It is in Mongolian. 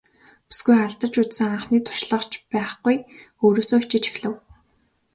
Бүсгүй алдаж үзсэн анхны туршлага ч байхгүй өөрөөсөө ичиж эхлэв.